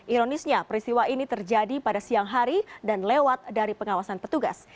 ironisnya peristiwa ini terjadi pada siang hari dan lewat dari pengawasan petugas